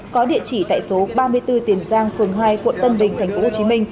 có địa chỉ tại số ba mươi bốn tiền giang phường hai quận tân bình tp hcm